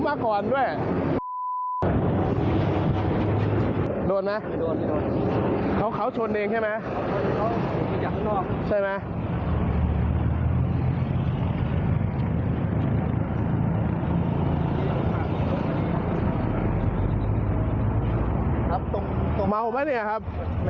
เมาไหมเนี่ยครับ